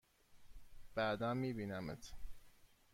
بعدا می بینمت!